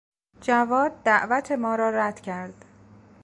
جواد دعوت ما را رد کرد.